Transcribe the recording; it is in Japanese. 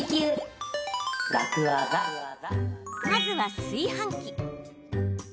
まずは炊飯器。